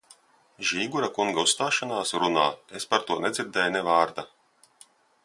Žīgura kunga uzstāšanās runā es par to nedzirdēju ne vārda.